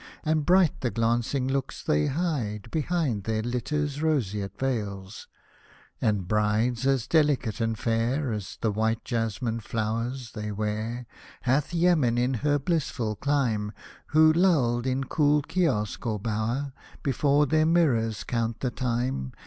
And bright the glancing looks they hide Behind their litters' roseate veils ;— And brides, as delicate and fair As the white jasmine flowers they wear,' Hath Yemen in her bhssful clime, Who, lulled in cool kiosk or bower, Before their mirrors count the time.